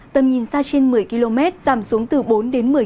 tầm nhìn xa trên một mươi km tầm xuống từ bốn một mươi km trong mưa